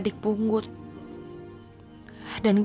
jadi rangga pasti bisa jadi rangga